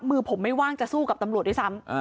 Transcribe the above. มือผมไม่ว่างจะสู้กับตำรวจด้วยซ้ำ